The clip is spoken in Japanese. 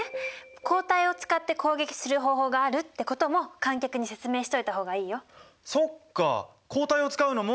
抗体を使って攻撃する方法があるってことも観客に説明しておいた方がいいよ。